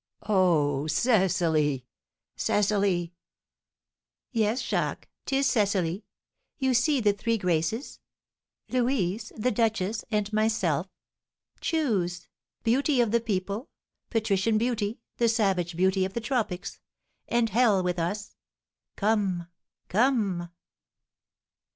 Oh, Cecily Cecily! Yes, Jacques, 'tis Cecily! You see the three Graces, Louise, the duchess, and myself. Choose! Beauty of the people, patrician beauty, the savage beauty of the tropics, and hell with us! Come come!